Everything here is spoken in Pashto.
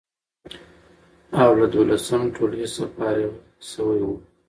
او له دولسم ټولګي څخه فارغ شوی و،